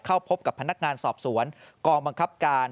เข้าพบกับพนักงานสอบสวนกองบังคับการ